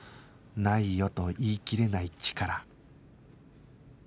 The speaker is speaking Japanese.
ないよと言い切れないチカラ